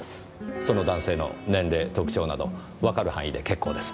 その男性の年齢特徴などわかる範囲で結構です。